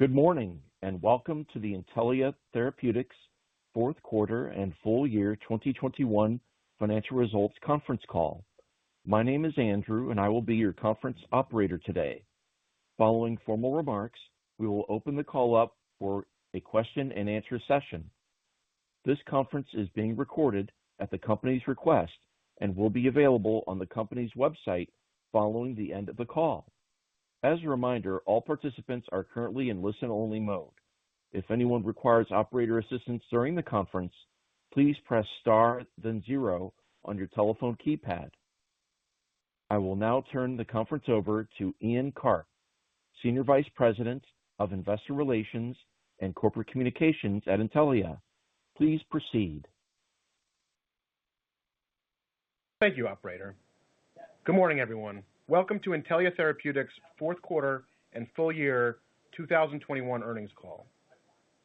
Good morning, and welcome to the Intellia Therapeutics fourth quarter and full year 2021 financial results conference call. My name is Andrew, and I will be your conference operator today. Following formal remarks, we will open the call up for a question-and-answer session. This conference is being recorded at the company's request and will be available on the company's website following the end of the call. As a reminder, all participants are currently in listen-only mode. If anyone requires operator assistance during the conference, please press star then zero on your telephone keypad. I will now turn the conference over to Ian Karp, Senior Vice President of Investor Relations and Corporate Communications at Intellia. Please proceed. Thank you, operator. Good morning, everyone. Welcome to Intellia Therapeutics' fourth quarter and full year 2021 earnings call.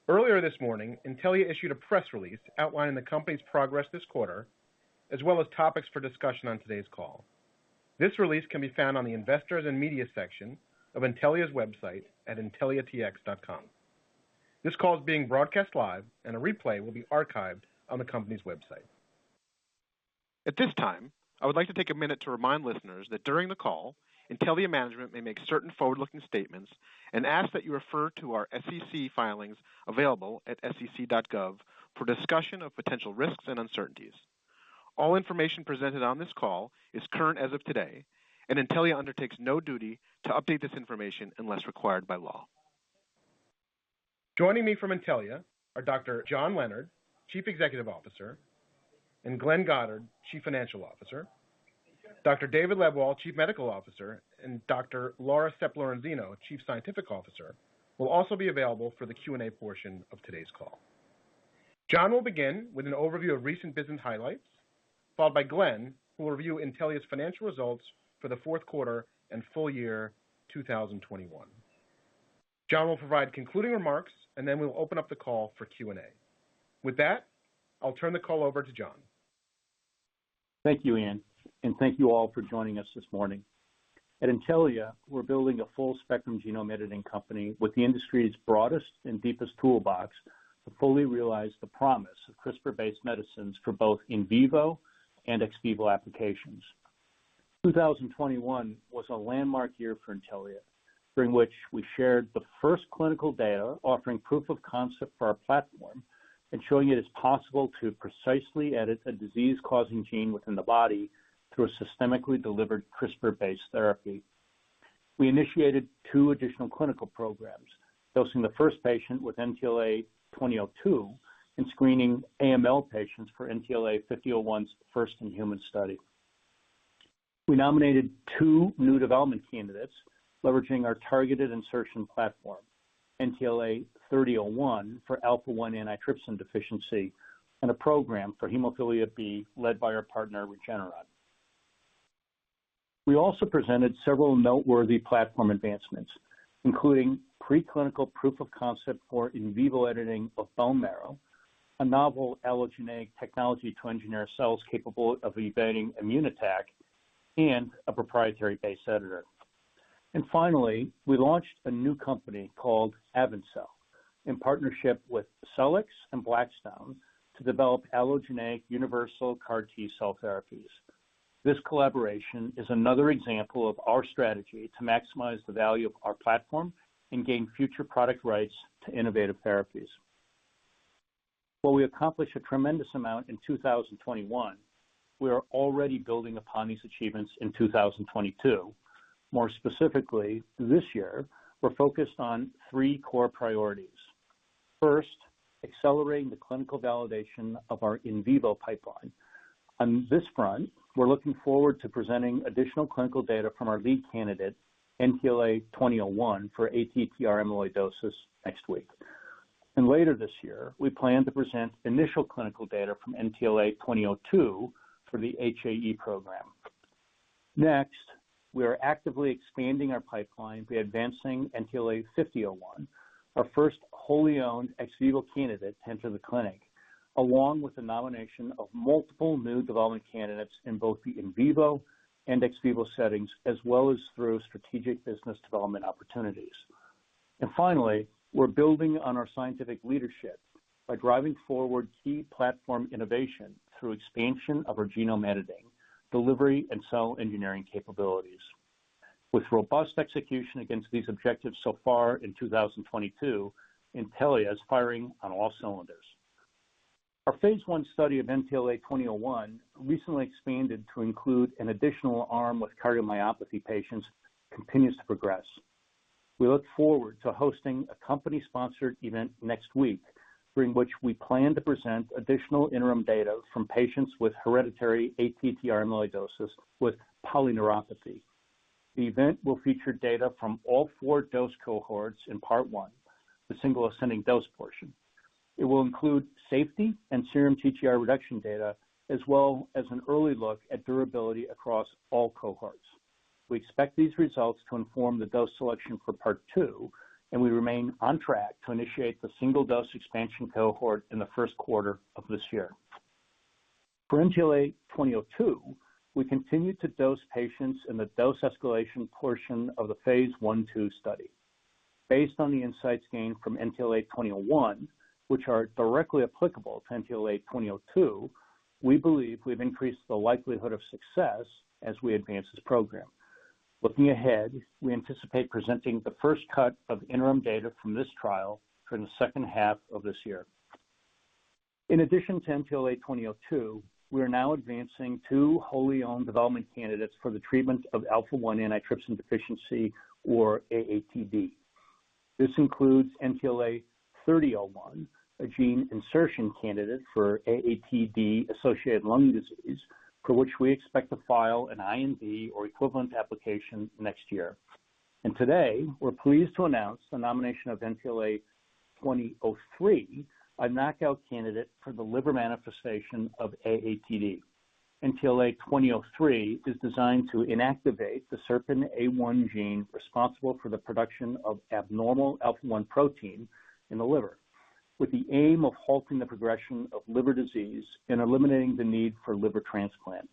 Earlier this morning, Intellia issued a press release outlining the company's progress this quarter, as well as topics for discussion on today's call. This release can be found on the Investors and Media section of Intellia's website at intelliatx.com. This call is being broadcast live, and a replay will be archived on the company's website. At this time, I would like to take a minute to remind listeners that during the call, Intellia management may make certain forward-looking statements and ask that you refer to our SEC filings available at sec.gov for discussion of potential risks and uncertainties. All information presented on this call is current as of today, and Intellia undertakes no duty to update this information unless required by law. Joining me from Intellia are Dr. John Leonard, Chief Executive Officer, and Glenn Goddard, Chief Financial Officer. Dr. David Lebwohl, Chief Medical Officer, and Dr. Laura Sepp-Lorenzino, Chief Scientific Officer, will also be available for the Q&A portion of today's call. John will begin with an overview of recent business highlights, followed by Glenn, who will review Intellia's financial results for the fourth quarter and full year 2021. John will provide concluding remarks, and then we'll open up the call for Q&A. With that, I'll turn the call over to John. Thank you, Ian, and thank you all for joining us this morning. At Intellia, we're building a full-spectrum genome editing company with the industry's broadest and deepest toolbox to fully realize the promise of CRISPR-based medicines for both in vivo and ex vivo applications. 2021 was a landmark year for Intellia, during which we shared the first clinical data offering proof of concept for our platform and showing it is possible to precisely edit a disease-causing gene within the body through a systemically delivered CRISPR-based therapy. We initiated two additional clinical programs, dosing the first patient with NTLA-2002 and screening AML patients for NTLA-5001's first-in-human study. We nominated two new development candidates leveraging our targeted insertion platform, NTLA-3001 for alpha-1 antitrypsin deficiency, and a program for hemophilia B led by our partner, Regeneron. We also presented several noteworthy platform advancements, including preclinical proof of concept for in vivo editing of bone marrow, a novel allogeneic technology to engineer cells capable of evading immune attack, and a proprietary base editor. We launched a new company called AvenCell in partnership with Cellex and Blackstone to develop allogeneic universal CAR T-cell therapies. This collaboration is another example of our strategy to maximize the value of our platform and gain future product rights to innovative therapies. While we accomplished a tremendous amount in 2021, we are already building upon these achievements in 2022. More specifically, this year, we're focused on three core priorities. First, accelerating the clinical validation of our in vivo pipeline. On this front, we're looking forward to presenting additional clinical data from our lead candidate, NTLA-2001, for ATTR amyloidosis next week. Later this year, we plan to present initial clinical data from NTLA-2002 for the HAE program. Next, we are actively expanding our pipeline by advancing NTLA-5001, our first wholly-owned ex vivo candidate into the clinic, along with the nomination of multiple new development candidates in both the in vivo and ex vivo settings, as well as through strategic business development opportunities. Finally, we're building on our scientific leadership by driving forward key platform innovation through expansion of our genome editing, delivery, and cell engineering capabilities. With robust execution against these objectives so far in 2022, Intellia is firing on all cylinders. Our phase I study of NTLA-2001, recently expanded to include an additional arm with cardiomyopathy patients, continues to progress. We look forward to hosting a company-sponsored event next week, during which we plan to present additional interim data from patients with hereditary ATTR amyloidosis with polyneuropathy. The event will feature data from all 4 dose cohorts in Part One, the single ascending dose portion. It will include safety and serum TTR reduction data, as well as an early look at durability across all cohorts. We expect these results to inform the dose selection for Part Two, and we remain on track to initiate the single dose expansion cohort in the first quarter of this year. For NTLA-2001, we continue to dose patients in the dose escalation portion of the phase I/II study. Based on the insights gained from NTLA-2001, which are directly applicable to NTLA-2002, we believe we've increased the likelihood of success as we advance this program. Looking ahead, we anticipate presenting the first cut of interim data from this trial during the second half of this year. In addition to NTLA-2002, we are now advancing two wholly-owned development candidates for the treatment of alpha-1 antitrypsin deficiency, or AATD. This includes NTLA-3001, a gene insertion candidate for AATD-associated lung disease, for which we expect to file an IND or equivalent application next year. Today, we're pleased to announce the nomination of NTLA-2003, a knockout candidate for the liver manifestation of AATD. NTLA-2003 is designed to inactivate the SERPINA1 gene responsible for the production of abnormal alpha-1 protein in the liver, with the aim of halting the progression of liver disease and eliminating the need for liver transplant.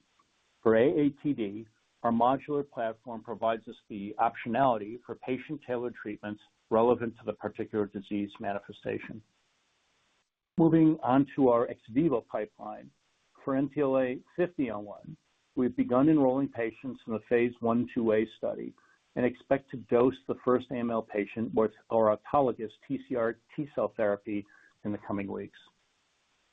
For AATD, our modular platform provides us the optionality for patient-tailored treatments relevant to the particular disease manifestation. Moving on to our ex vivo pipeline. For NTLA-5001, we've begun enrolling patients in the phase I/II A study and expect to dose the first AML patient with our autologous TCR T-cell therapy in the coming weeks.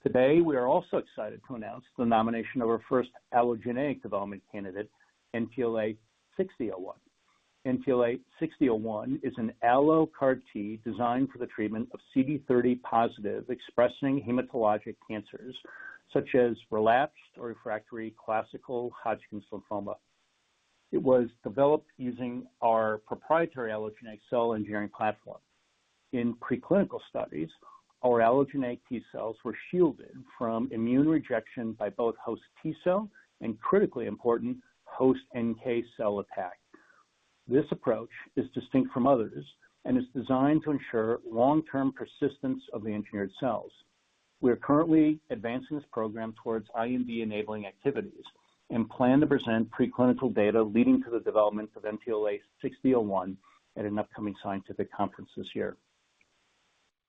Today, we are also excited to announce the nomination of our first allogeneic development candidate, NTLA-6001. NTLA-6001 is an allo CAR T designed for the treatment of CD30-positive expressing hematologic cancers such as relapsed or refractory classical Hodgkin lymphoma. It was developed using our proprietary allogeneic cell engineering platform. In preclinical studies, our allogeneic T cells were shielded from immune rejection by both host T cell and, critically important, host NK cell attack. This approach is distinct from others and is designed to ensure long-term persistence of the engineered cells. We are currently advancing this program towards IND-enabling activities and plan to present preclinical data leading to the development of NTLA-6001 at an upcoming scientific conference this year.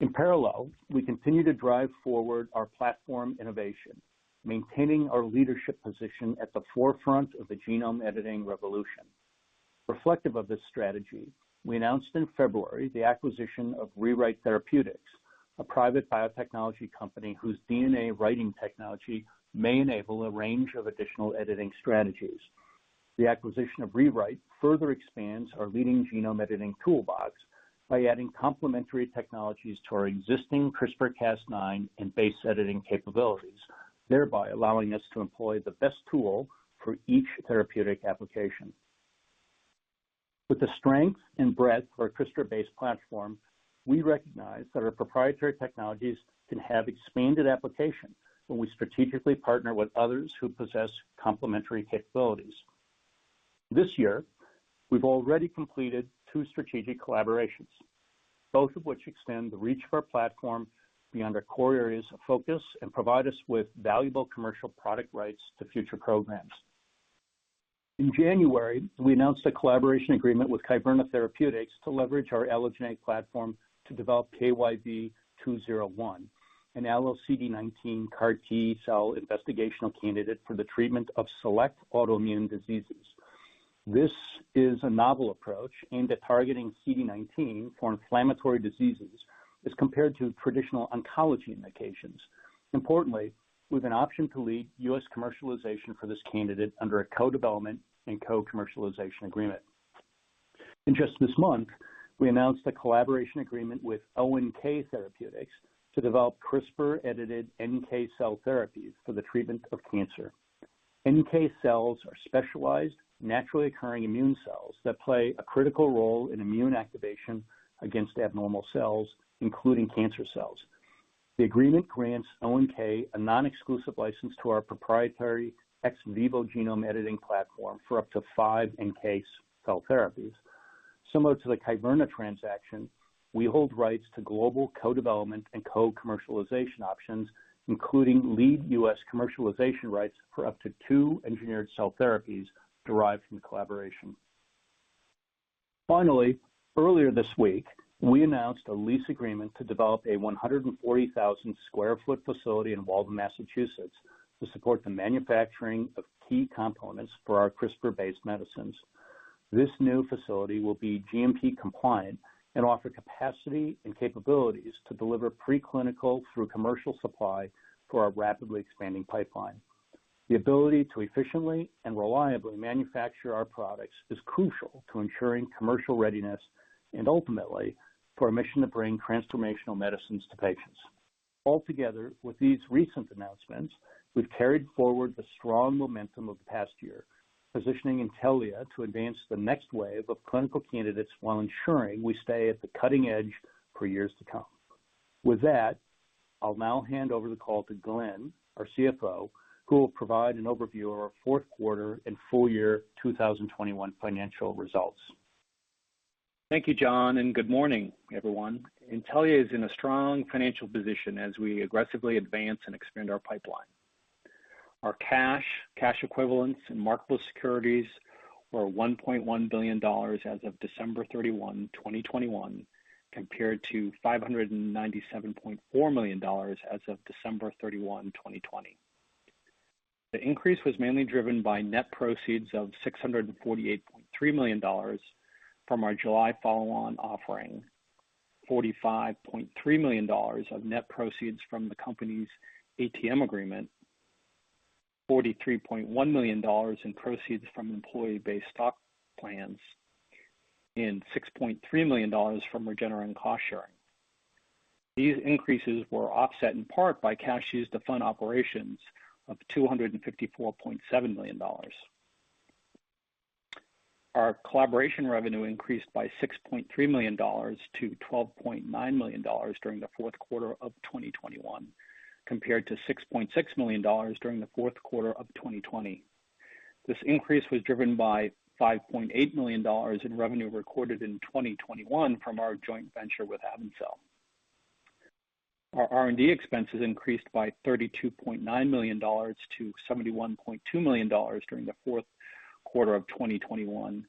In parallel, we continue to drive forward our platform innovation, maintaining our leadership position at the forefront of the genome editing revolution. Reflective of this strategy, we announced in February the acquisition of Rewrite Therapeutics, a private biotechnology company whose DNA writing technology may enable a range of additional editing strategies. The acquisition of Rewrite further expands our leading genome editing toolbox by adding complementary technologies to our existing CRISPR-Cas9 and base editing capabilities, thereby allowing us to employ the best tool for each therapeutic application. With the strength and breadth of our CRISPR-based platform, we recognize that our proprietary technologies can have expanded application when we strategically partner with others who possess complementary capabilities. This year, we've already completed two strategic collaborations, both of which extend the reach of our platform beyond our core areas of focus and provide us with valuable commercial product rights to future programs. In January, we announced a collaboration agreement with Kyverna Therapeutics to leverage our allogeneic platform to develop KYV-201, an allo CD19 CAR T-cell investigational candidate for the treatment of select autoimmune diseases. This is a novel approach aimed at targeting CD19 for inflammatory diseases as compared to traditional oncology indications, importantly with an option to lead U.S. commercialization for this candidate under a co-development and co-commercialization agreement. Just this month, we announced a collaboration agreement with ONK Therapeutics to develop CRISPR-edited NK cell therapies for the treatment of cancer. NK cells are specialized, naturally occurring immune cells that play a critical role in immune activation against abnormal cells, including cancer cells. The agreement grants ONK a non-exclusive license to our proprietary ex vivo genome editing platform for up to five NK cell therapies. Similar to the Kyverna transaction, we hold rights to global co-development and co-commercialization options, including lead U.S. commercialization rights for up to two engineered cell therapies derived from the collaboration. Finally, earlier this week, we announced a lease agreement to develop a 140,000 sq ft facility in Waltham, Massachusetts, to support the manufacturing of key components for our CRISPR-based medicines. This new facility will be GMP compliant and offer capacity and capabilities to deliver preclinical through commercial supply for our rapidly expanding pipeline. The ability to efficiently and reliably manufacture our products is crucial to ensuring commercial readiness and ultimately for our mission to bring transformational medicines to patients. Altogether, with these recent announcements, we've carried forward the strong momentum of the past year, positioning Intellia to advance the next wave of clinical candidates while ensuring we stay at the cutting edge for years to come. With that, I'll now hand over the call to Glenn, our CFO, who will provide an overview of our fourth quarter and full-year 2021 financial results. Thank you, John, and good morning, everyone. Intellia is in a strong financial position as we aggressively advance and expand our pipeline. Our cash equivalents, and marketable securities were $1.1 billion as of December 31, 2021, compared to $597.4 million as of December 31, 2020. The increase was mainly driven by net proceeds of $648.3 million from our July follow-on offering, $45.3 million of net proceeds from the company's ATM agreement, $43.1 million in proceeds from employee-based stock plans, and $6.3 million from Regeneron cost sharing. These increases were offset in part by cash used to fund operations of $254.7 million. Our collaboration revenue increased by $6.3 million to $12.9 million during the fourth quarter of 2021 compared to $6.6 million during the fourth quarter of 2020. This increase was driven by $5.8 million in revenue recorded in 2021 from our joint venture with AvenCell. Our R&D expenses increased by $32.9 million to $71.2 million during the fourth quarter of 2021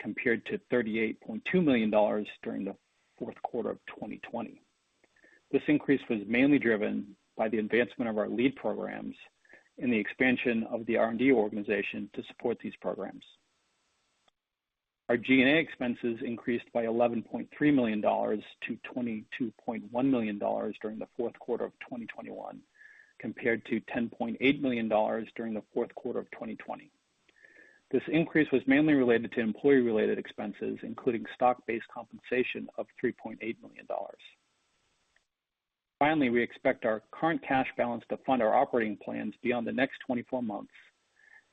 compared to $38.2 million during the fourth quarter of 2020. This increase was mainly driven by the advancement of our lead programs and the expansion of the R&D organization to support these programs. Our G&A expenses increased by $11.3 million-$22.1 million during the fourth quarter of 2021 compared to $10.8 million during the fourth quarter of 2020. This increase was mainly related to employee-related expenses, including stock-based compensation of $3.8 million. Finally, we expect our current cash balance to fund our operating plans beyond the next 24 months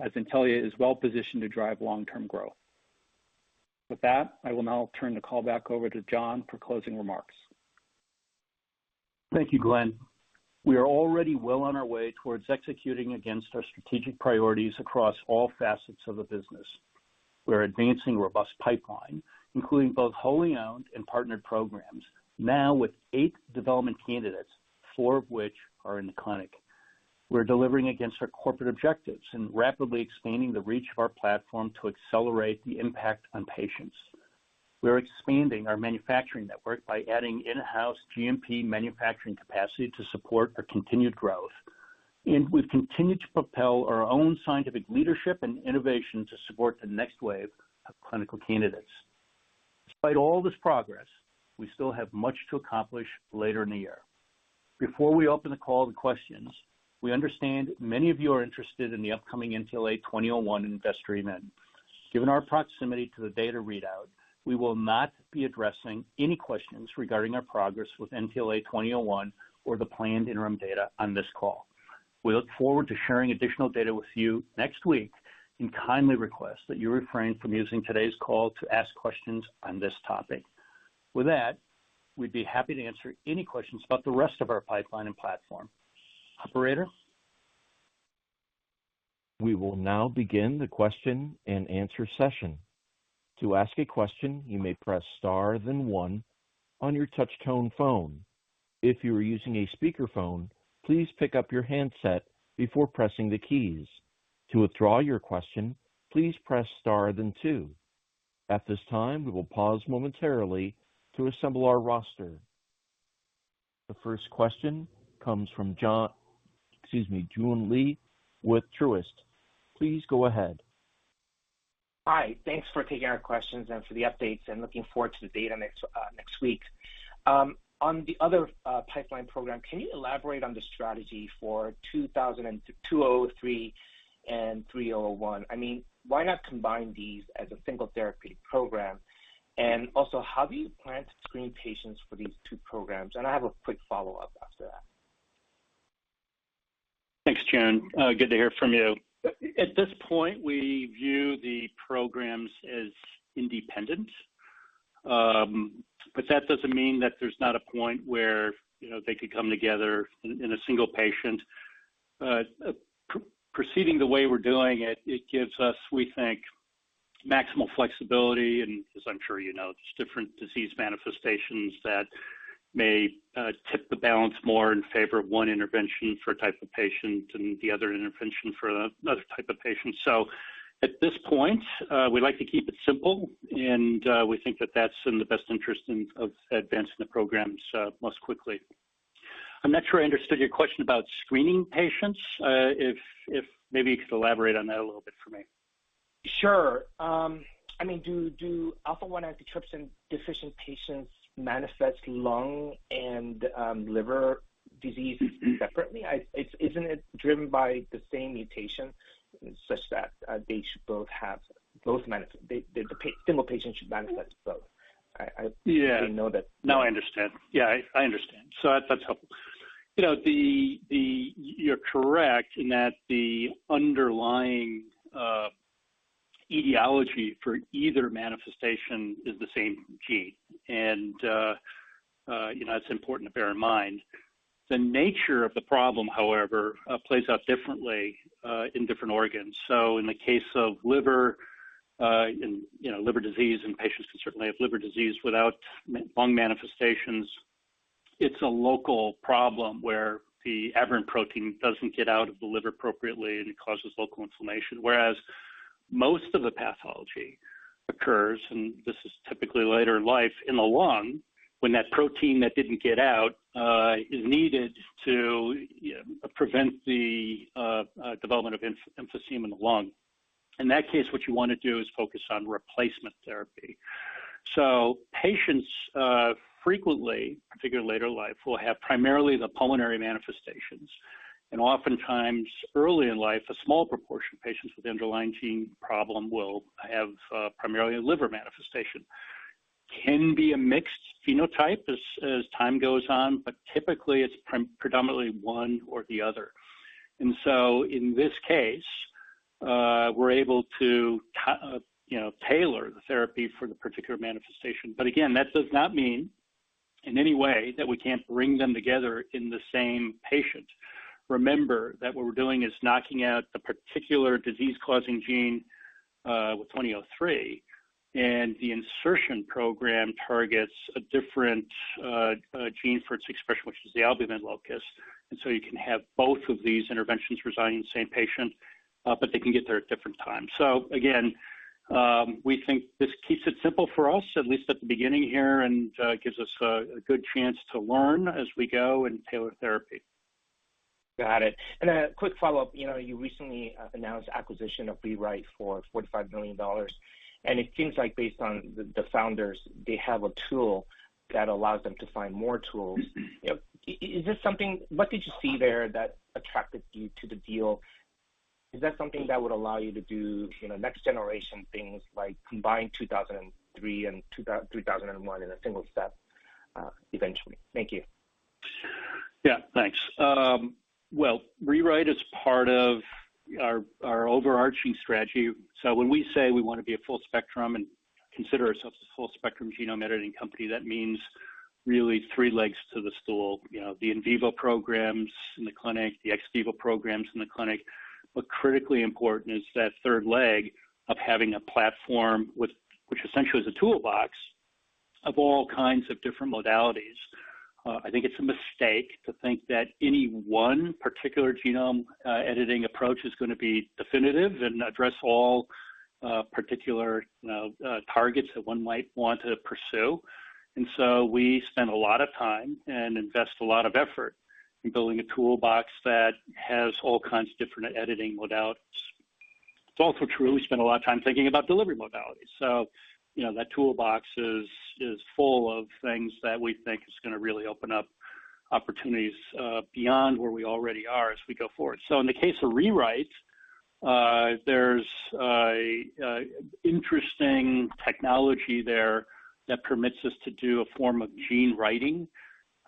as Intellia is well positioned to drive long-term growth. With that, I will now turn the call back over to John for closing remarks. Thank you, Glenn. We are already well on our way towards executing against our strategic priorities across all facets of the business. We're advancing robust pipeline, including both wholly owned and partnered programs, now with eight development candidates, four of which are in the clinic. We're delivering against our corporate objectives and rapidly expanding the reach of our platform to accelerate the impact on patients. We're expanding our manufacturing network by adding in-house GMP manufacturing capacity to support our continued growth. We've continued to propel our own scientific leadership and innovation to support the next wave of clinical candidates. Despite all this progress, we still have much to accomplish later in the year. Before we open the call to questions, we understand many of you are interested in the upcoming NTLA-2001 investor event. Given our proximity to the data readout, we will not be addressing any questions regarding our progress with NTLA-2001 or the planned interim data on this call. We look forward to sharing additional data with you next week and kindly request that you refrain from using today's call to ask questions on this topic. With that, we'd be happy to answer any questions about the rest of our pipeline and platform. Operator? We will now begin the question-and-answer session. The first question comes from Joon Lee with Truist. Please go ahead. Hi. Thanks for taking our questions and for the updates and looking forward to the data next week. On the other pipeline program, can you elaborate on the strategy for 2003 and 3001? I mean, why not combine these as a single therapy program? Also, how do you plan to screen patients for these two programs? I have a quick follow-up after that. Thanks, Joon. Good to hear from you. At this point, we view the programs as independent. But that doesn't mean that there's not a point where, you know, they could come together in a single patient. Proceeding the way we're doing it gives us, we think, maximal flexibility and as I'm sure you know, there's different disease manifestations that may tip the balance more in favor of one intervention for a type of patient and the other intervention for another type of patient. At this point, we like to keep it simple, and we think that that's in the best interest of advancing the programs most quickly. I'm not sure I understood your question about screening patients. If maybe you could elaborate on that a little bit for me. Sure. I mean, do alpha-1 antitrypsin deficient patients manifest lung and liver disease separately? Isn't it driven by the same mutation such that they should both have both? The single patient should manifest both? I Yeah. I know that- No, I understand. Yeah, I understand. That's helpful. You know, you're correct in that the underlying etiology for either manifestation is the same gene. You know, that's important to bear in mind. The nature of the problem, however, plays out differently in different organs. In the case of liver, you know, liver disease, and patients can certainly have liver disease without lung manifestations, it's a local problem where the aberrant protein doesn't get out of the liver appropriately, and it causes local inflammation. Whereas most of the pathology occurs, and this is typically later in life, in the lung when that protein that didn't get out is needed to prevent the development of emphysema in the lung. In that case, what you wanna do is focus on replacement therapy. Patients frequently, particularly later in life, will have primarily the pulmonary manifestations. Oftentimes, early in life, a small proportion of patients with underlying gene problem will have primarily a liver manifestation. It can be a mixed phenotype as time goes on, but typically it's predominantly one or the other. In this case, we're able to, you know, tailor the therapy for the particular manifestation. Again, that does not mean in any way that we can't bring them together in the same patient. Remember that what we're doing is knocking out the particular disease-causing gene with 2003, and the insertion program targets a different gene for its expression, which is the albumin locus. You can have both of these interventions residing in the same patient, but they can get there at different times. Again, we think this keeps it simple for us, at least at the beginning here, and gives us a good chance to learn as we go and tailor therapy. Got it. A quick follow-up. You know, you recently announced acquisition of Rewrite for $45 million, and it seems like based on the founders, they have a tool that allows them to find more tools. Mm-hmm. You know, is this something? What did you see there that attracted you to the deal? Is that something that would allow you to do, you know, next generation things like combine 2003 and 3001 in a single step, eventually? Thank you. Yeah, thanks. Well, Rewrite is part of our overarching strategy. When we say we wanna be a full spectrum and consider ourselves a full spectrum genome editing company, that means really three legs to the stool. You know, the in vivo programs in the clinic, the ex vivo programs in the clinic, but critically important is that third leg of having a platform with, which essentially is a toolbox of all kinds of different modalities. I think it's a mistake to think that any one particular genome editing approach is gonna be definitive and address all particular, you know, targets that one might want to pursue. We spend a lot of time and invest a lot of effort in building a toolbox that has all kinds of different editing modalities. It's also true, we spend a lot of time thinking about delivery modalities. You know, that toolbox is full of things that we think is gonna really open up opportunities beyond where we already are as we go forward. In the case of Rewrite, there's an interesting technology there that permits us to do a form of gene writing.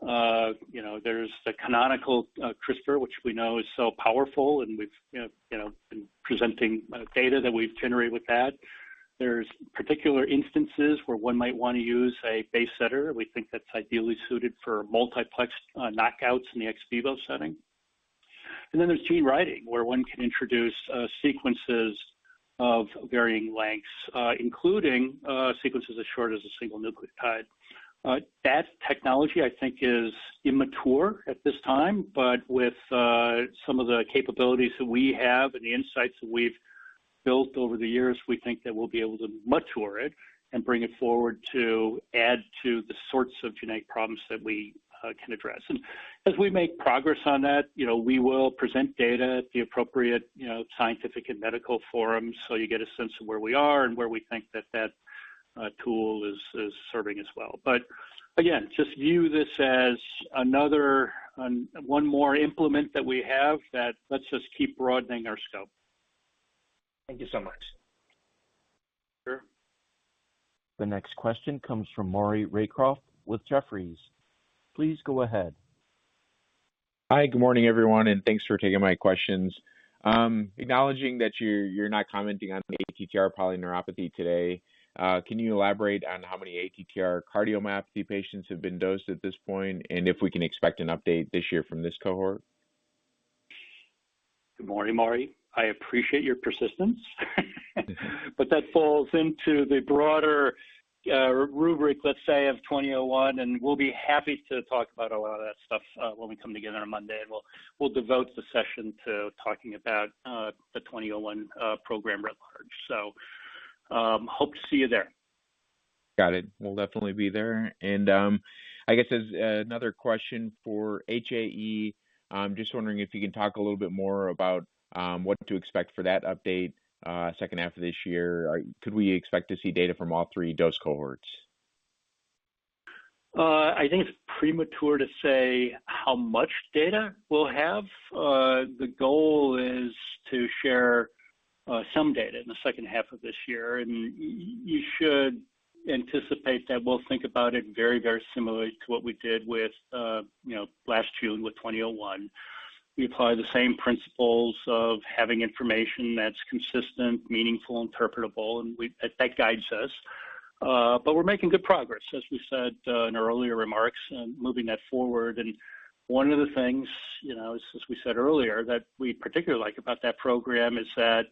You know, there's the canonical CRISPR, which we know is so powerful, and we've you know been presenting data that we've generated with that. There's particular instances where one might wanna use a base editor. We think that's ideally suited for multiplex knockouts in the ex vivo setting. Then there's gene writing, where one can introduce sequences of varying lengths, including sequences as short as a single nucleotide. That technology I think is immature at this time, but with some of the capabilities that we have and the insights that we've built over the years, we think that we'll be able to mature it and bring it forward to add to the sorts of genetic problems that we can address. As we make progress on that, you know, we will present data at the appropriate, you know, scientific and medical forums, so you get a sense of where we are and where we think that tool is serving as well. Again, just view this as another and one more implement that we have that lets us keep broadening our scope. Thank you so much. Sure. The next question comes from Maury Raycroft with Jefferies. Please go ahead. Hi, good morning, everyone, and thanks for taking my questions. Acknowledging that you're not commenting on ATTR polyneuropathy today, can you elaborate on how many ATTR cardiomyopathy patients have been dosed at this point, and if we can expect an update this year from this cohort? Good morning, Maury. I appreciate your persistence. That falls into the broader rubric, let's say, of NTLA-2001, and we'll be happy to talk about a lot of that stuff when we come together on Monday. We'll devote the session to talking about the NTLA-2001 program writ large. Hope to see you there. Got it. Will definitely be there. I guess as another question for HAE, I'm just wondering if you can talk a little bit more about what to expect for that update second half of this year. Could we expect to see data from all three dose cohorts? I think it's premature to say how much data we'll have. The goal is to share some data in the second half of this year, and you should anticipate that we'll think about it very, very similarly to what we did with, you know, last June with NTLA-2001. We apply the same principles of having information that's consistent, meaningful, interpretable, and that guides us. We're making good progress, as we said, in our earlier remarks, and moving that forward. One of the things, you know, as we said earlier, that we particularly like about that program is that,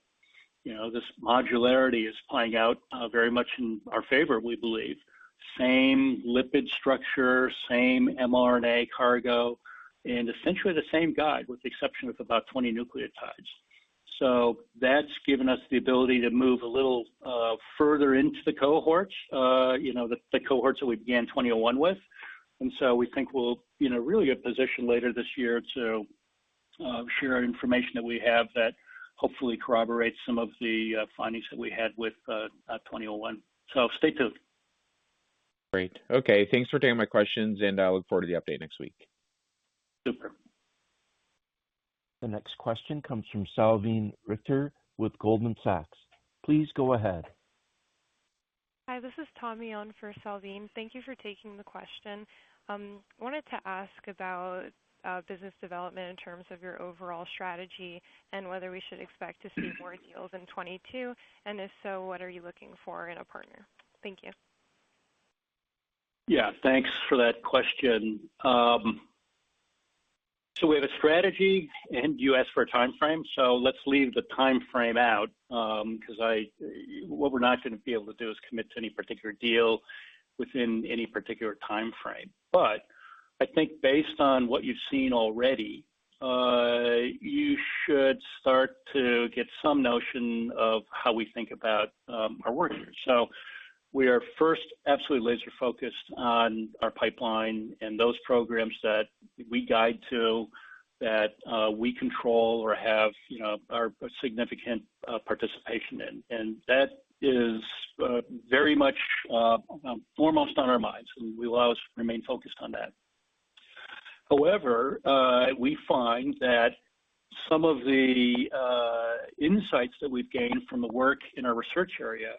you know, this modularity is playing out very much in our favor, we believe. Same lipid structure, same mRNA cargo, and essentially the same guide, with the exception of about 20 nucleotides. That's given us the ability to move a little further into the cohorts, you know, the cohorts that we began 2001 with. We think we'll, you know, really be in position later this year to share information that we have that hopefully corroborates some of the findings that we had with 2001. Stay tuned. Great. Okay. Thanks for taking my questions, and I look forward to the update next week. Super. The next question comes from Salveen Richter with Goldman Sachs. Please go ahead. Hi, this is Tommy on for Salveen. Thank you for taking the question. Wanted to ask about business development in terms of your overall strategy and whether we should expect to see more deals in 2022. If so, what are you looking for in a partner? Thank you. Yeah, thanks for that question. We have a strategy, and you asked for a timeframe. Let's leave the timeframe out, 'cause what we're not gonna be able to do is commit to any particular deal within any particular timeframe. I think based on what you've seen already, you should start to get some notion of how we think about our work here. We are first absolutely laser focused on our pipeline and those programs that we guide to, that we control or have, you know, are a significant participation in. That is very much foremost on our minds, and we will always remain focused on that. However, we find that some of the insights that we've gained from the work in our research area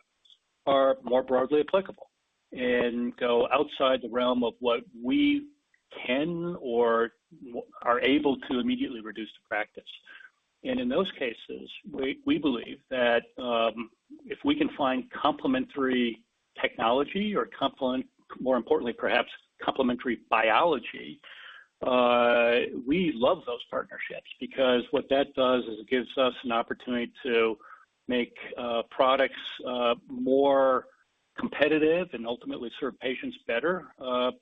are more broadly applicable and go outside the realm of what we can or are able to immediately reduce to practice. In those cases, we believe that if we can find complementary technology or more importantly perhaps, complementary biology, we love those partnerships because what that does is it gives us an opportunity to make products more competitive and ultimately serve patients better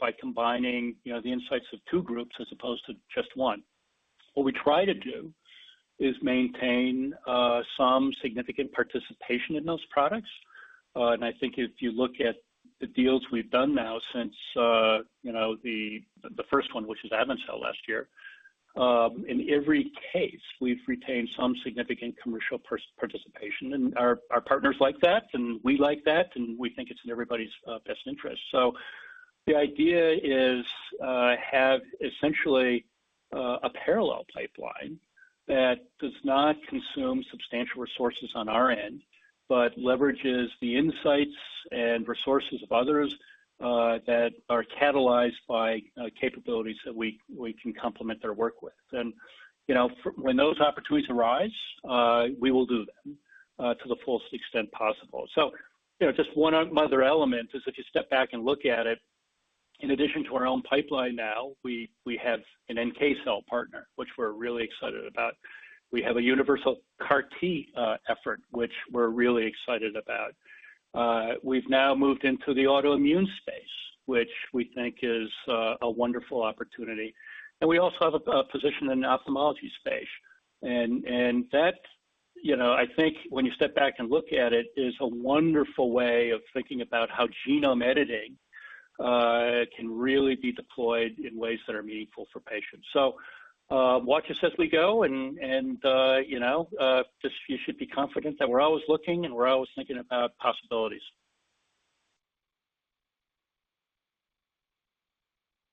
by combining, you know, the insights of two groups as opposed to just one. What we try to do is maintain some significant participation in those products. I think if you look at the deals we've done now since you know the first one, which is AvenCell last year, in every case, we've retained some significant commercial participation. Our partners like that, and we like that, and we think it's in everybody's best interest. The idea is to have essentially a parallel pipeline that does not consume substantial resources on our end, but leverages the insights and resources of others that are catalyzed by capabilities that we can complement their work with. You know, when those opportunities arise, we will do them to the fullest extent possible. You know, just one other element is if you step back and look at it, in addition to our own pipeline now, we have an NK cell partner, which we're really excited about. We have a universal CAR T effort, which we're really excited about. We've now moved into the autoimmune space, which we think is a wonderful opportunity. We also have a position in the ophthalmology space. That, you know, I think when you step back and look at it, is a wonderful way of thinking about how genome editing can really be deployed in ways that are meaningful for patients. Watch us as we go and, you know, just you should be confident that we're always looking and we're always thinking about possibilities.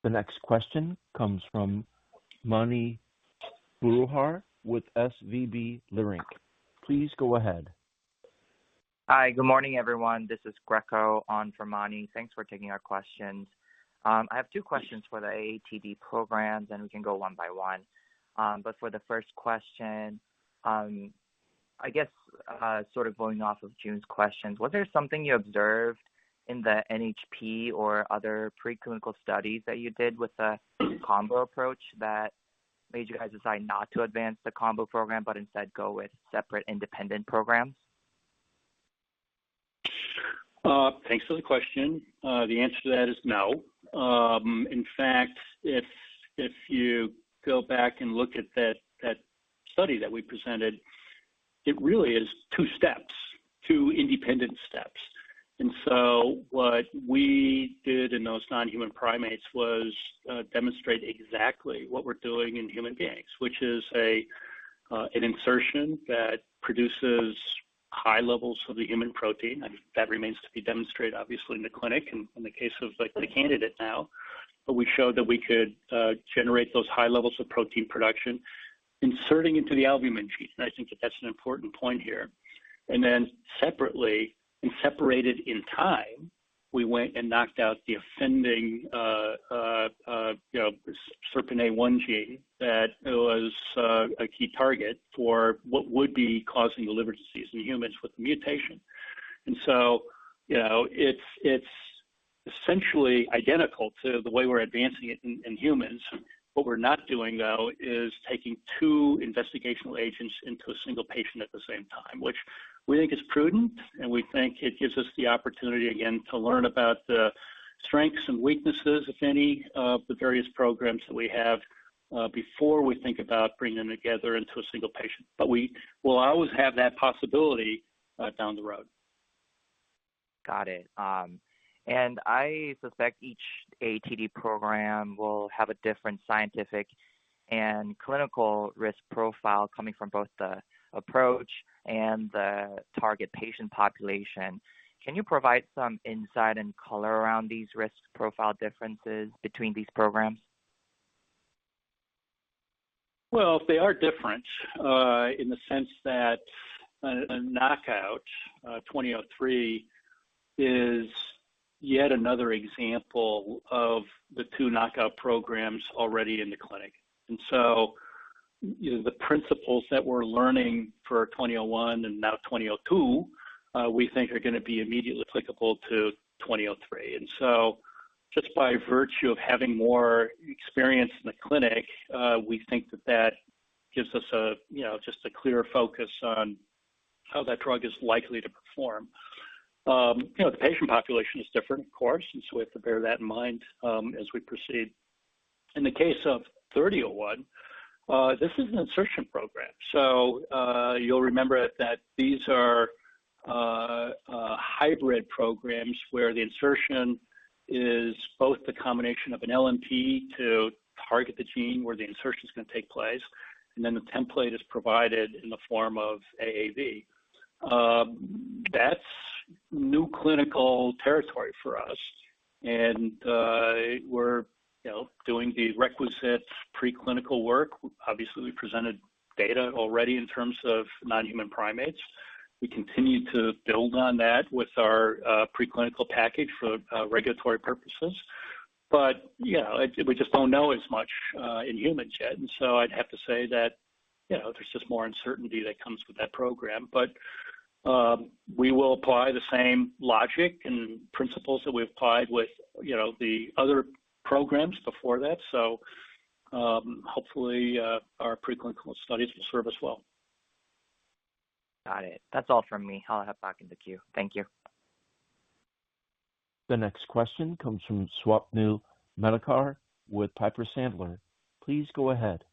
The next question comes from Mani Foroohar with SVB Leerink. Please go ahead. Hi. Good morning, everyone. This is Greco on for Mani. Thanks for taking our questions. I have two questions for the AATD programs, and we can go one by one. For the first question, I guess, sort of going off of Joon's questions, was there something you observed in the NHP or other preclinical studies that you did with the combo approach that made you guys decide not to advance the combo program, but instead go with separate independent programs? Thanks for the question. The answer to that is no. In fact, if you go back and look at that study that we presented, it really is two steps, two independent steps. What we did in those non-human primates was demonstrate exactly what we're doing in human beings, which is an insertion that produces high levels of the human protein. I mean, that remains to be demonstrated obviously in the clinic and in the case of, like, the candidate now. But we showed that we could generate those high levels of protein production, inserting into the albumin gene. I think that's an important point here. Then separately and separated in time, we went and knocked out the offending, you know, SERPINE1 gene that was a key target for what would be causing the liver disease in humans with the mutation. You know, it's essentially identical to the way we're advancing it in humans. What we're not doing, though, is taking two investigational agents into a single patient at the same time, which we think is prudent, and we think it gives us the opportunity, again, to learn about the strengths and weaknesses, if any, of the various programs that we have before we think about bringing them together into a single patient. We will always have that possibility down the road. Got it. I suspect each AATD program will have a different scientific and clinical risk profile coming from both the approach and the target patient population. Can you provide some insight and color around these risk profile differences between these programs? Well, they are different in the sense that a knockout 2003 is yet another example of the two knockout programs already in the clinic. You know, the principles that we're learning for 2001 and now 2002 we think are gonna be immediately applicable to 2003. Just by virtue of having more experience in the clinic, we think that gives us a, you know, just a clear focus on how that drug is likely to perform. You know, the patient population is different, of course, and so we have to bear that in mind as we proceed. In the case of 3001, this is an insertion program. You'll remember that these are hybrid programs where the insertion is both the combination of an LMP to target the gene where the insertion is gonna take place, and then the template is provided in the form of AAV. That's new clinical territory for us. We're, you know, doing the requisite preclinical work. Obviously, we presented data already in terms of non-human primates. We continue to build on that with our preclinical package for regulatory purposes. You know, we just don't know as much in humans yet. I'd have to say that, you know, there's just more uncertainty that comes with that program. We will apply the same logic and principles that we applied with, you know, the other programs before that. Hopefully, our preclinical studies will serve us well. Got it. That's all from me. I'll hop back in the queue. Thank you. The next question comes from Swapnil Malekar with Piper Sandler. Please go ahead.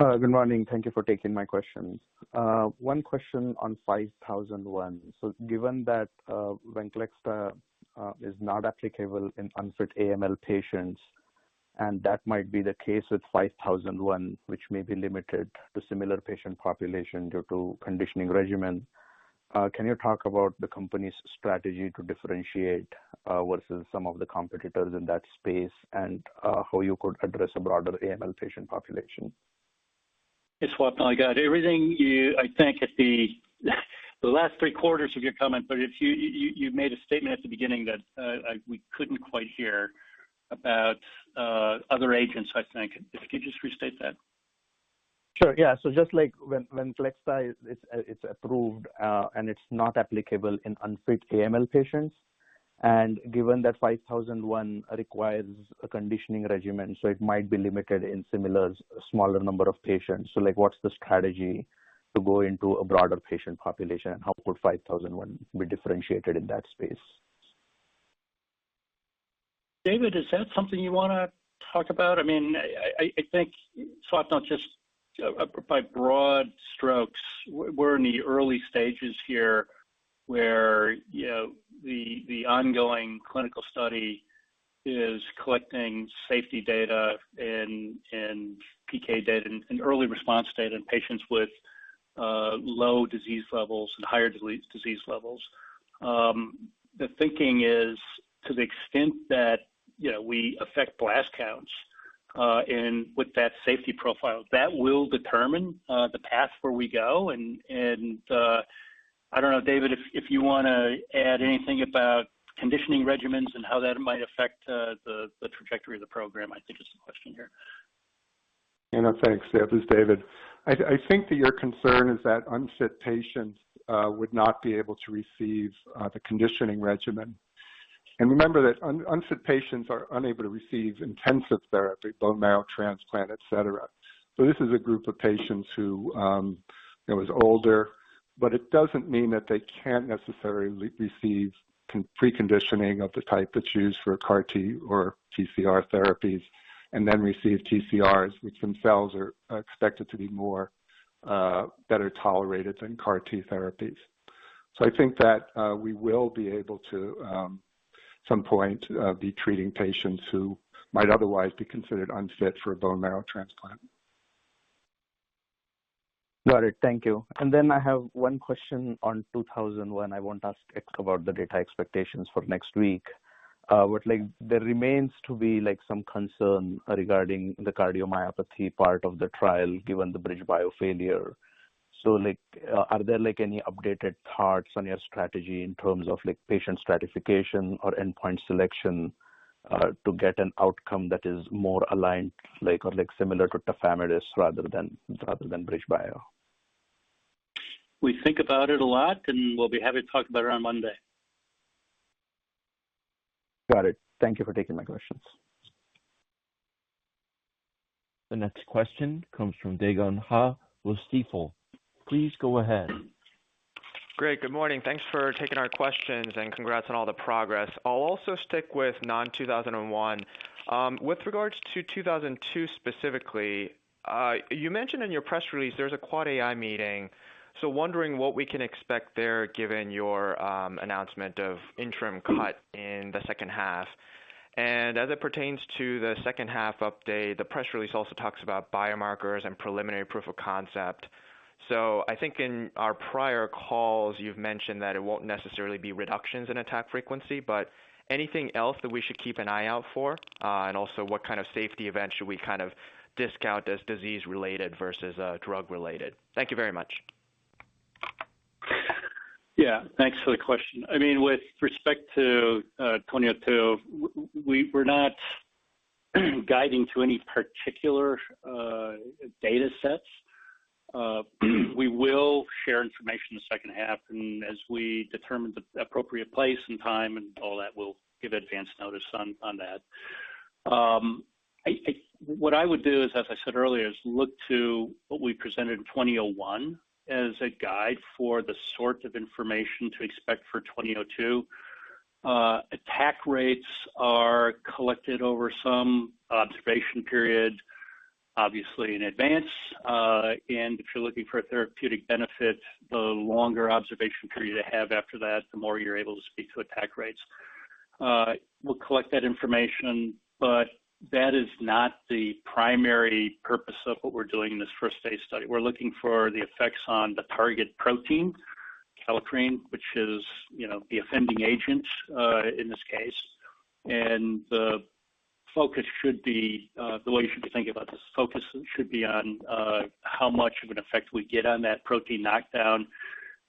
Good morning. Thank you for taking my questions. One question on NTLA-5001. Given that VENCLEXTA is not applicable in unfit AML patients, and that might be the case with NTLA-5001, which may be limited to similar patient population due to conditioning regimen, can you talk about the company's strategy to differentiate versus some of the competitors in that space and how you could address a broader AML patient population? Hey, Swapnil. I got everything you, I think, at the last three-quarters of your comment, but if you made a statement at the beginning that we couldn't quite hear about other agents, I think. If you could just restate that. Sure, yeah. Just like when VENCLEXTA is approved, and it's not applicable in unfit AML patients, and given that 5001 requires a conditioning regimen, it might be limited in similar smaller number of patients. Like, what's the strategy to go into a broader patient population? And how could 5001 be differentiated in that space? David, is that something you wanna talk about? I mean, I think Swapnil, just by broad strokes, we're in the early stages here where, you know, the ongoing clinical study is collecting safety data and PK data and early response data in patients with low disease levels and higher disease levels. The thinking is to the extent that, you know, we affect blast counts and with that safety profile, that will determine the path where we go. I don't know, David, if you wanna add anything about conditioning regimens and how that might affect the trajectory of the program. I think is the question here. You know, thanks. Yeah, this is David. I think that your concern is that unfit patients would not be able to receive the conditioning regimen. Remember that unfit patients are unable to receive intensive therapy, bone marrow transplant, et cetera. This is a group of patients who, you know, is older, but it doesn't mean that they can't necessarily receive preconditioning of the type that's used for CAR-T or TCR therapies and then receive TCRs, which themselves are expected to be more better tolerated than CAR-T therapies. I think that we will be able to at some point be treating patients who might otherwise be considered unfit for a bone marrow transplant. Got it. Thank you. I have one question on 2001. I won't ask about the data expectations for next week. Like there remains to be like some concern regarding the cardiomyopathy part of the trial given the BridgeBio failure. Like, are there like any updated parts on your strategy in terms of like patient stratification or endpoint selection, to get an outcome that is more aligned like or like similar to Tafamidis rather than BridgeBio? We think about it a lot, and we'll be happy to talk about it on Monday. Got it. Thank you for taking my questions. The next question comes from Dae Gon Ha with Stifel. Please go ahead. Great, good morning. Thanks for taking our questions, and congrats on all the progress. I'll also stick with non-2001. With regards to 2002 specifically, you mentioned in your press release there's a AAAAI meeting, so wondering what we can expect there given your announcement of interim data cut in the second half. As it pertains to the second half update, the press release also talks about biomarkers and preliminary proof of concept. I think in our prior calls, you've mentioned that it won't necessarily be reductions in attack frequency, but anything else that we should keep an eye out for? And also what kind of safety event should we kind of discount as disease-related versus drug-related? Thank you very much. Yeah. Thanks for the question. I mean, with respect to, 2002, we're not guiding to any particular, data sets. We will share information in the second half, and as we determine the appropriate place and time and all that, we'll give advance notice on that. What I would do is, as I said earlier, look to what we presented in 2001 as a guide for the sort of information to expect for 2002. Attack rates are collected over some observation period, obviously in advance. If you're looking for a therapeutic benefit, the longer observation period you have after that, the more you're able to speak to attack rates. We'll collect that information, but that is not the primary purpose of what we're doing in this first phase study. We're looking for the effects on the target protein, kallikrein, which is, you know, the offending agent in this case. The focus should be the way you should be thinking about this on how much of an effect we get on that protein knockdown.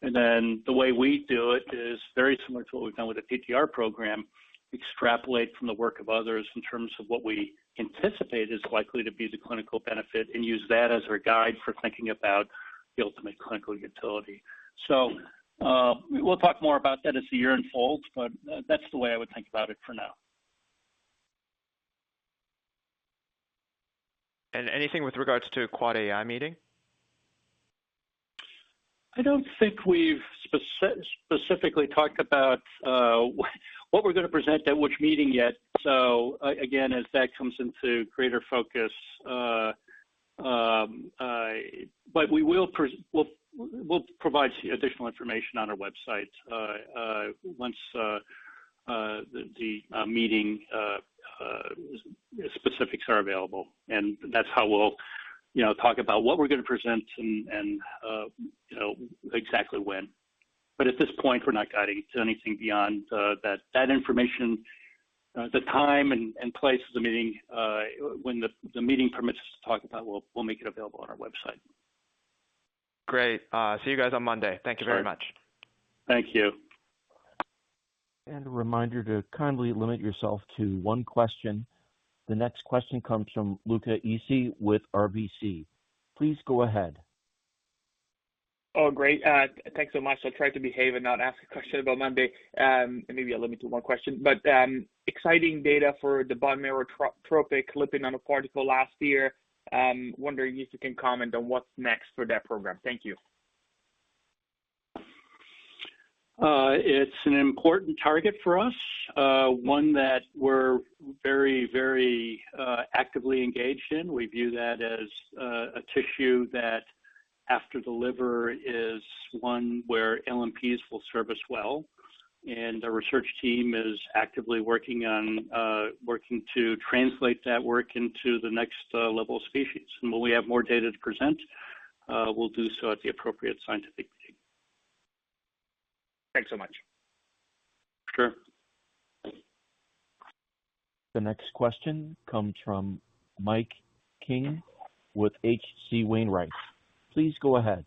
The way we do it is very similar to what we've done with the TTR program, extrapolate from the work of others in terms of what we anticipate is likely to be the clinical benefit and use that as our guide for thinking about the ultimate clinical utility. We'll talk more about that as the year unfolds, but that's the way I would think about it for now. Anything with regards to AAAAI meeting? I don't think we've specifically talked about what we're gonna present at which meeting yet. Again, as that comes into greater focus. We will provide additional information on our website once the meeting specifics are available. That's how we'll, you know, talk about what we're gonna present and, you know, exactly when. At this point, we're not guiding to anything beyond that information. The time and place of the meeting, when the meeting permits us to talk about, we'll make it available on our website. Great. See you guys on Monday. Thank you very much. Thank you. A reminder to kindly limit yourself to one question. The next question comes from Luca Issi with RBC. Please go ahead. Oh, great. Thanks so much. I'll try to behave and not ask a question about Monday. Maybe I'll limit to one question. Exciting data for the bone marrow-tropic lipid nanoparticle last year. Wondering if you can comment on what's next for that program? Thank you. It's an important target for us, one that we're very actively engaged in. We view that as a tissue that after delivery is one where LMPs will serve us well. The research team is actively working to translate that work into the next level of species. When we have more data to present, we'll do so at the appropriate scientific meeting. Thanks so much. Sure. The next question comes from Mike King with H.C. Wainwright. Please go ahead.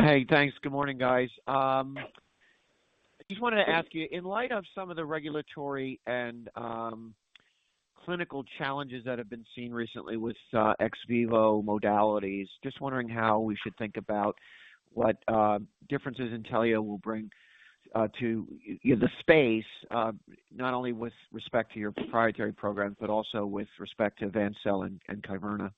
Hey, thanks. Good morning, guys. I just wanted to ask you, in light of some of the regulatory and clinical challenges that have been seen recently with ex vivo modalities, just wondering how we should think about what differences Intellia will bring to the space, not only with respect to your proprietary programs, but also with respect to AvenCell and Kyverna.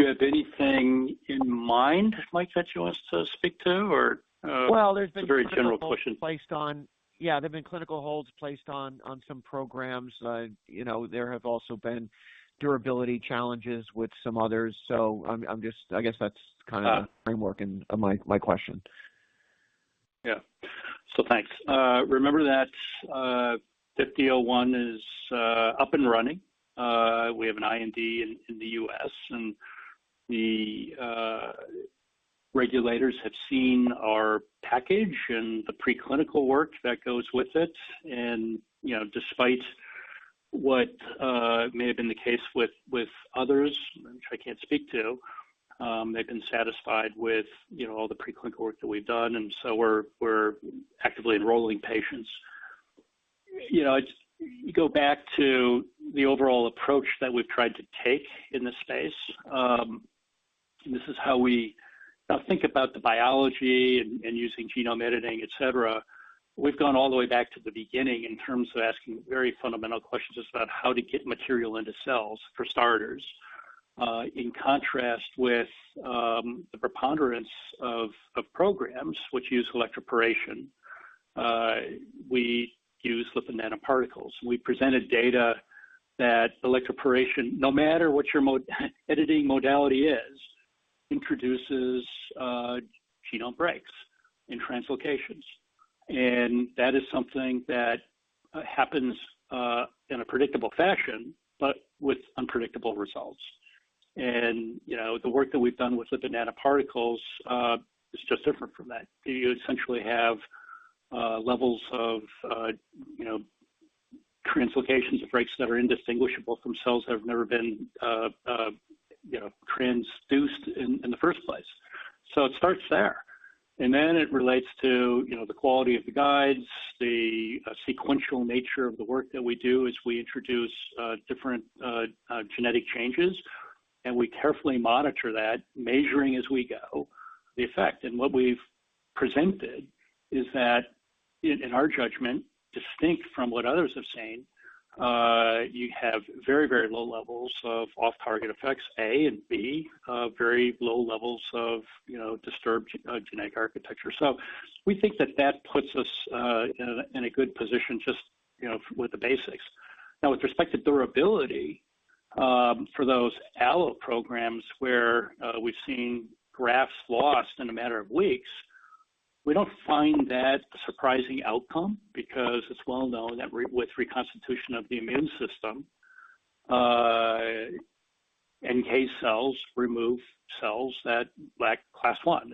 Do you have anything in mind, Mike, that you want us to speak to or? Well, there's been. A very general question. Yeah, there have been clinical holds placed on some programs. You know, there have also been durability challenges with some others. I'm just. I guess that's kind of the framework in my question. Yeah. Thanks. Remember that 501 is up and running. We have an IND in the U.S., and the regulators have seen our package and the preclinical work that goes with it. You know, despite what may have been the case with others, which I can't speak to, they've been satisfied with, you know, all the preclinical work that we've done, and we're actively enrolling patients. You know, I just go back to the overall approach that we've tried to take in this space. This is how we now think about the biology and using genome editing, et cetera. We've gone all the way back to the beginning in terms of asking very fundamental questions about how to get material into cells, for starters. In contrast with the preponderance of programs which use electroporation, we use lipid nanoparticles. We presented data that electroporation, no matter what your editing modality is, introduces genome breaks and translocations. That is something that happens in a predictable fashion, but with unpredictable results. You know, the work that we've done with lipid nanoparticles is just different from that. You essentially have levels of, you know, translocations and breaks that are indistinguishable from cells that have never been, you know, transduced in the first place. It starts there. Then it relates to, you know, the quality of the guides, the sequential nature of the work that we do as we introduce different genetic changes. We carefully monitor that, measuring as we go, the effect. What we've presented is that in our judgment, distinct from what others have seen, you have very, very low levels of off-target effects, A, and B, very low levels of, you know, disturbed genetic architecture. We think that puts us in a good position just, you know, with the basics. Now, with respect to durability, for those allo programs where we've seen grafts lost in a matter of weeks, we don't find that a surprising outcome because it's well known that with reconstitution of the immune system, NK cells remove cells that lack class one.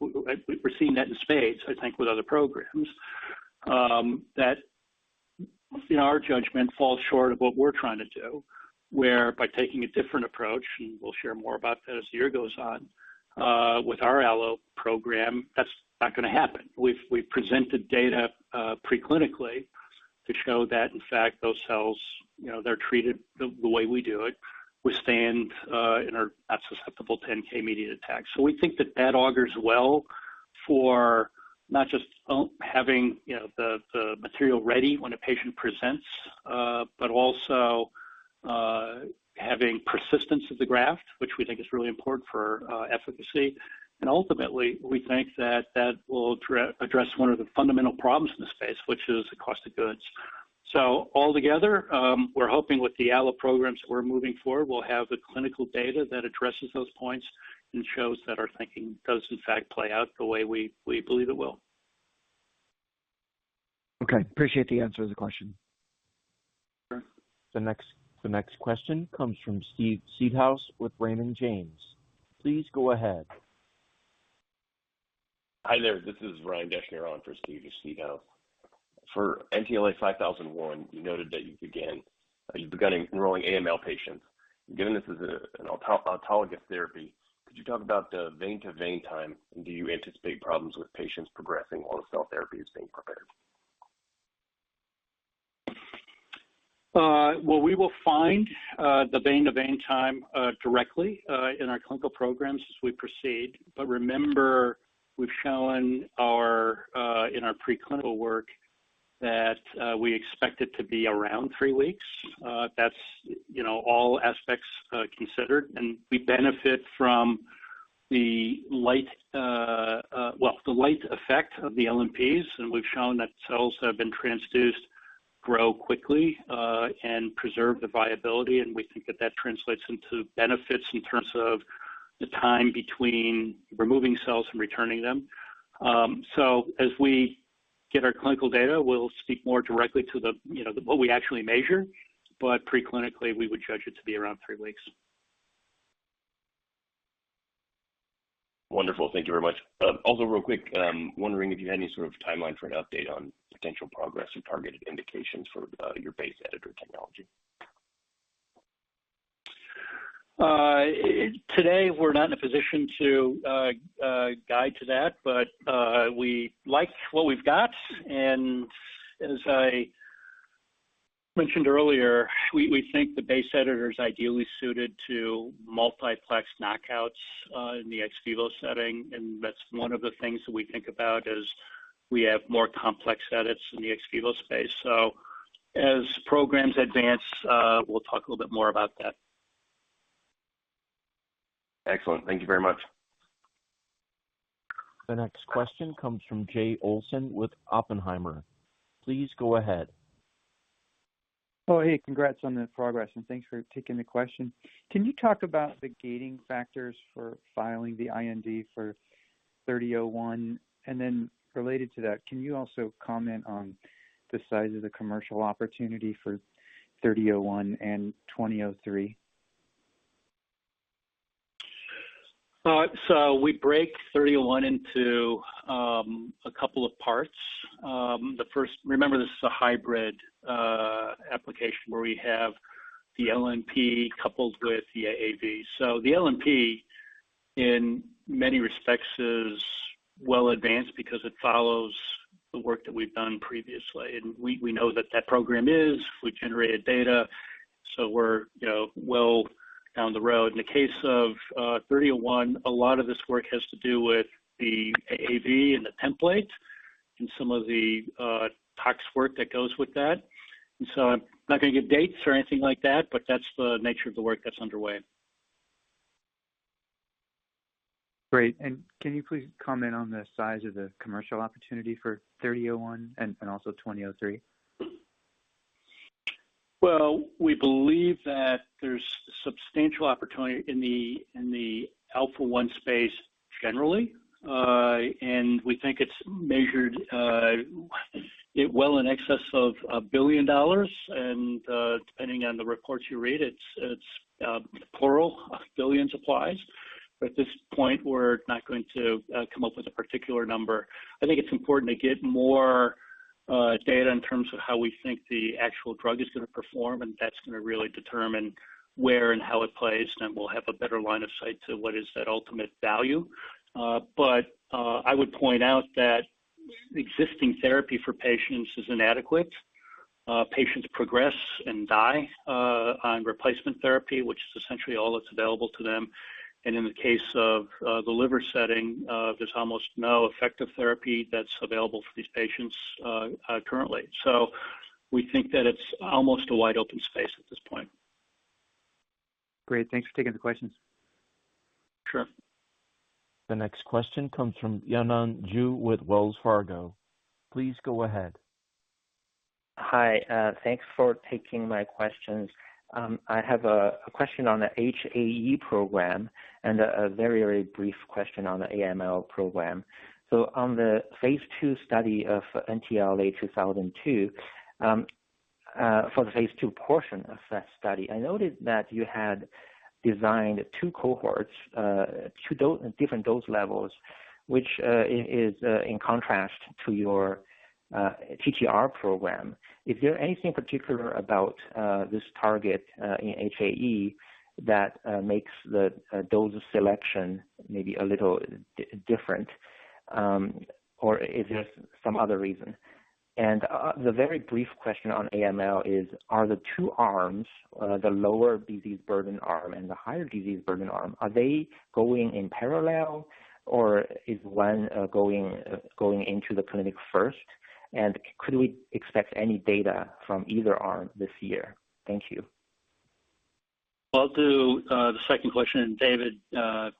We're seeing that in spades, I think, with other programs that in our judgment falls short of what we're trying to do, where by taking a different approach, and we'll share more about that as the year goes on, with our allo program, that's not gonna happen. We've presented data preclinically to show that in fact, those cells, you know, they're treated the way we do it, withstand and are not susceptible to NK-mediated attacks. So we think that that augurs well for not just having, you know, the material ready when a patient presents, but also having persistence of the graft, which we think is really important for efficacy. Ultimately, we think that that will address one of the fundamental problems in the space, which is the cost of goods. Altogether, we're hoping with the allo programs that we're moving forward, we'll have the clinical data that addresses those points and shows that our thinking does in fact play out the way we believe it will. Okay. Appreciate the answer to the question. Sure. The next question comes from Steve Seedhouse with Raymond James. Please go ahead. Hi there. This is Ryan Deschner on for Steve Seedhouse. For NTLA-5001, you noted that you've begun enrolling AML patients. Given this is an autologous therapy, could you talk about the vein-to-vein time? And do you anticipate problems with patients progressing while the cell therapy is being prepared? Well, we will find the vein-to-vein time directly in our clinical programs as we proceed. Remember, we've shown in our preclinical work that we expect it to be around three weeks. That's, you know, all aspects considered. We benefit from the light effect of the LMPs. We've shown that cells that have been transduced grow quickly and preserve the viability, and we think that translates into benefits in terms of the time between removing cells and returning them. As we get our clinical data, we'll speak more directly to the, you know, what we actually measure. Preclinically, we would judge it to be around three weeks. Wonderful. Thank you very much. Also real quick, wondering if you had any sort of timeline for an update on potential progress or targeted indications for your base editor technology? Today, we're not in a position to guide to that, but we like what we've got. As I mentioned earlier, we think the base editor is ideally suited to multiplex knockouts in the ex vivo setting, and that's one of the things that we think about as we have more complex edits in the ex vivo space. As programs advance, we'll talk a little bit more about that. Excellent. Thank you very much. The next question comes from Jay Olson with Oppenheimer. Please go ahead. Oh, hey, congrats on the progress, and thanks for taking the question. Can you talk about the gating factors for filing the IND for- NTLA-3001. Related to that, can you also comment on the size of the commercial opportunity for NTLA-3001 and NTLA-2003? We break NTLA-3001 into a couple of parts. Remember, this is a hybrid application where we have the LMP coupled with the AAV. The LMP, in many respects, is well advanced because it follows the work that we've done previously. We know that program. We've generated data, so we're, you know, well down the road. In the case of NTLA-3001, a lot of this work has to do with the AAV and the template and some of the tox work that goes with that. I'm not gonna give dates or anything like that, but that's the nature of the work that's underway. Great. Can you please comment on the size of the commercial opportunity for NTLA-3001 and also NTLA-2003? Well, we believe that there's substantial opportunity in the alpha-1 space generally. We think it's measured well in excess of $1 billion. Depending on the reports you read, it's plural billions applies. At this point, we're not going to come up with a particular number. I think it's important to get more data in terms of how we think the actual drug is gonna perform, and that's gonna really determine where and how it plays, and we'll have a better line of sight to what is that ultimate value. I would point out that existing therapy for patients is inadequate. Patients progress and die on replacement therapy, which is essentially all that's available to them. In the case of the liver setting, there's almost no effective therapy that's available for these patients currently. We think that it's almost a wide-open space at this point. Great. Thanks for taking the questions. Sure. The next question comes from Yanan Zhu with Wells Fargo. Please go ahead. Hi, thanks for taking my questions. I have a question on the HAE program and a very brief question on the AML program. On the phase II study of NTLA-2002, for the phase II portion of that study, I noticed that you had designed two cohorts, two different dose levels, which is in contrast to your TTR program. Is there anything particular about this target in HAE that makes the dose selection maybe a little different, or is there some other reason? The very brief question on AML is, are the two arms, the lower disease burden arm and the higher disease burden arm, going in parallel, or is one going into the clinic first? Could we expect any data from either arm this year? Thank you. I'll do the second question, and David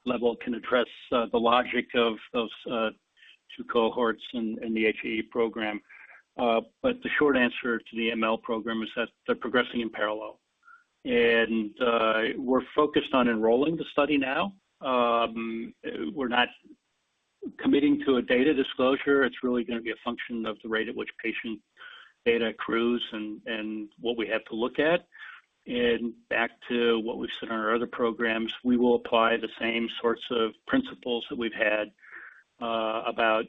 Lebwohl can address the logic of those two cohorts in the HAE program. But the short answer to the AML program is that they're progressing in parallel. We're focused on enrolling the study now. We're not committing to a data disclosure. It's really gonna be a function of the rate at which patient data accrues and what we have to look at. Back to what we've said on our other programs, we will apply the same sorts of principles that we've had about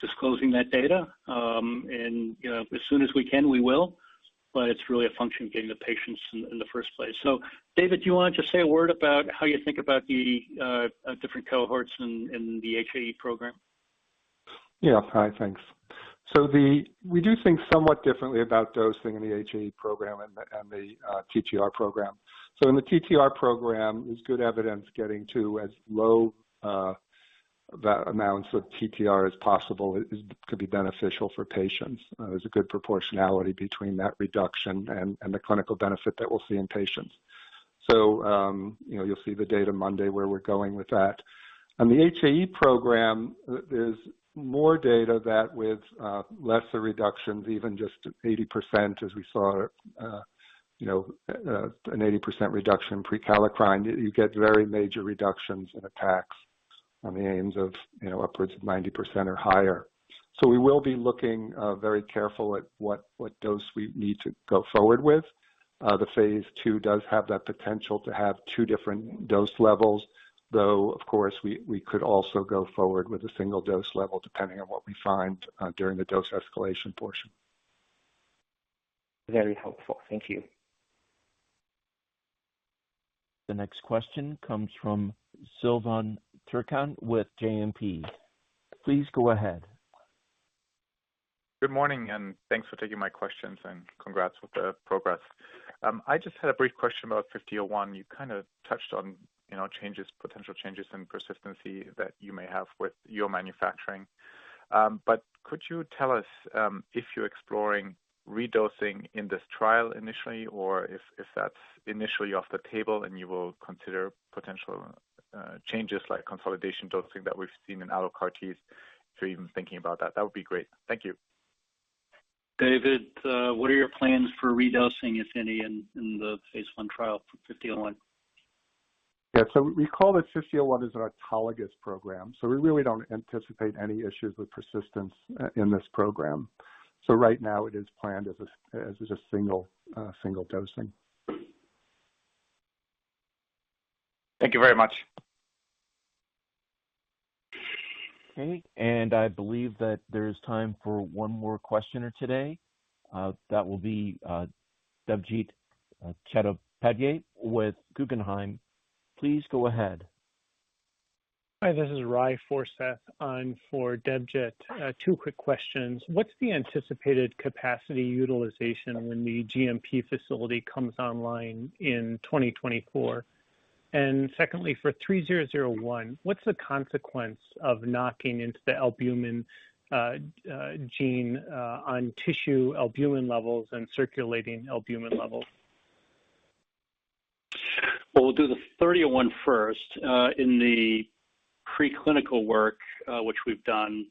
disclosing that data. You know, as soon as we can, we will. But it's really a function of getting the patients in the first place. David, do you wanna just say a word about how you think about the different cohorts in the HAE program? Yeah. Hi. Thanks. We do think somewhat differently about dosing in the HAE program and the TTR program. In the TTR program, there's good evidence getting to as low amounts of TTR as possible could be beneficial for patients. There's a good proportionality between that reduction and the clinical benefit that we'll see in patients. You know, you'll see the data Monday where we're going with that. On the HAE program, there's more data that with lesser reductions, even just 80% as we saw, you know, an 80% reduction in prekallikrein, you get very major reductions in attacks on the order of, you know, upwards of 90% or higher. We will be looking very carefully at what dose we need to go forward with. The phase II does have that potential to have two different dose levels, though, of course, we could also go forward with a single dose level, depending on what we find during the dose escalation portion. Very helpful. Thank you. The next question comes from Silvan Türkcan with JMP. Please go ahead. Good morning, and thanks for taking my questions, and congrats with the progress. I just had a brief question about NTLA-5001. You kinda touched on, you know, changes, potential changes in persistence that you may have with your manufacturing. Could you tell us if you're exploring redosing in this trial initially, or if that's initially off the table and you will consider potential changes like consolidation dosing that we've seen in allo CAR Ts. If you're even thinking about that would be great? Thank you. David, what are your plans for redosing, if any, in the phase I trial for 5001? Yeah. Recall that 5001 is an autologous program, so we really don't anticipate any issues with persistence in this program. Right now it is planned as a single dosing. Thank you very much. Okay. I believe that there is time for one more questioner today. That will be Debjit Chattopadhyay with Guggenheim. Please go ahead. Hi, this is Ry Forseth. I'm for Debjit. Two quick questions. What's the anticipated capacity utilization when the GMP facility comes online in 2024? Secondly, for 3001, what's the consequence of knocking into the albumin gene on tissue albumin levels and circulating albumin levels? Well, we'll do the 3001 first. In the preclinical work, which we've done,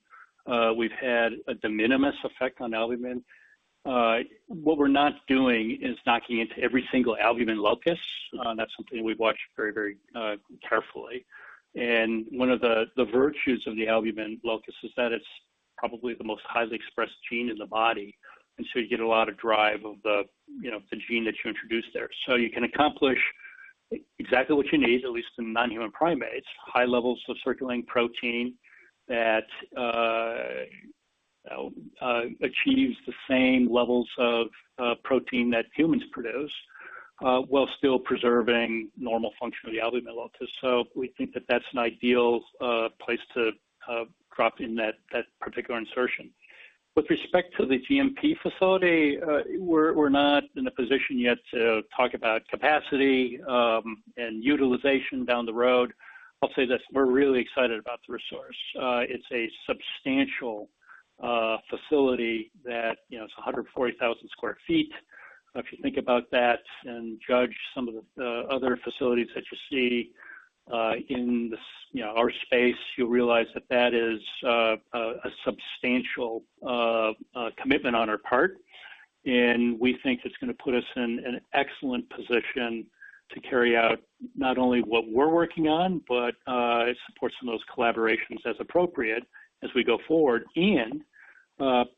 we've had a de minimis effect on albumin. What we're not doing is knocking into every single albumin locus. That's something we've watched very carefully. One of the virtues of the albumin locus is that it's probably the most highly expressed gene in the body. You get a lot of drive of the, you know, the gene that you introduce there. You can accomplish exactly what you need, at least in non-human primates, high levels of circulating protein that achieves the same levels of protein that humans produce, while still preserving normal function of the albumin locus. We think that that's an ideal place to drop in that particular insertion. With respect to the GMP facility, we're not in a position yet to talk about capacity and utilization down the road. I'll say this, we're really excited about the resource. It's a substantial facility that, you know, it's 140,000 sq ft. If you think about that and judge some of the other facilities that you see in the space, you know, you'll realize that that is a substantial commitment on our part. We think it's gonna put us in an excellent position to carry out not only what we're working on, but it supports some of those collaborations as appropriate as we go forward and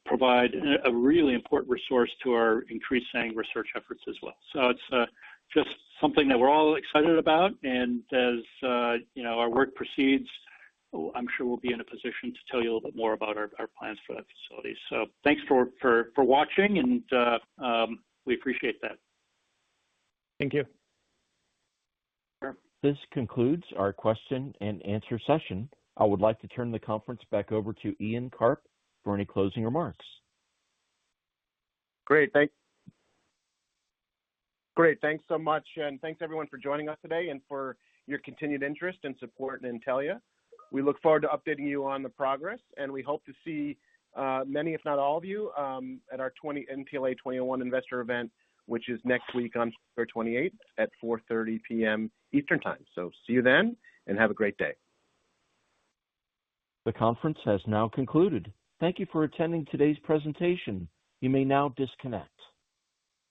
provide a really important resource to our increasing research efforts as well. It's just something that we're all excited about. As you know, our work proceeds, I'm sure we'll be in a position to tell you a little bit more about our plans for that facility. Thanks for watching and we appreciate that. Thank you. Sure. This concludes our question and answer session. I would like to turn the conference back over to Ian Karp for any closing remarks. Great. Thanks so much, and thanks everyone for joining us today and for your continued interest and support in Intellia. We look forward to updating you on the progress, and we hope to see many, if not all of you, at our 2021 Intellia investor event, which is next week on September 28th at 4:30 P.M. Eastern Time. See you then, and have a great day. The conference has now concluded. Thank you for attending today's presentation. You may now disconnect.